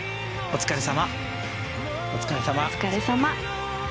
お疲れさま。